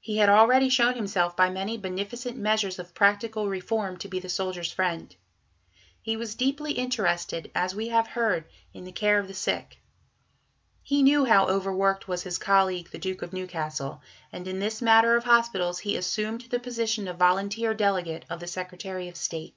He had already shown himself by many beneficent measures of practical reform to be the Soldiers' Friend. He was deeply interested, as we have heard (p. 80), in the care of the sick. He knew how over worked was his colleague, the Duke of Newcastle, and in this matter of hospitals he assumed the position of volunteer delegate of the Secretary of State.